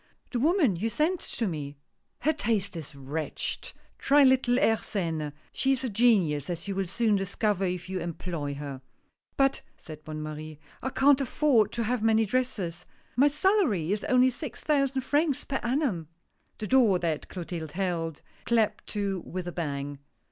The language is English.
" The woman you sent to me." " Her taste is wretched — try little Airsene, she is a genius, as you will soon discover if you employ her." "But," said Bonne Marie, "I can't afford to have many dresses — my salary is only six thousand francs per annum !" The door that Clotilde held, clapped to with a bang.